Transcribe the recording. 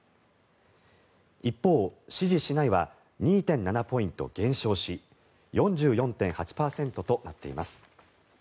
一方、支持しないは２．７ポイント減少し４４．８％となっています。